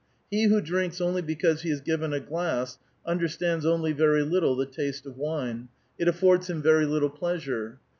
He who drinks onU' because he is given a glass understands only very little the taste of wine; it affords him vei y little pleasure.